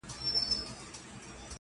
هره ورځ په دروازه کي اردلیان وه!!